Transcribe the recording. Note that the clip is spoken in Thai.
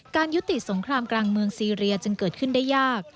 ยุติสงครามกลางเมืองซีเรียจึงเกิดขึ้นได้ยาก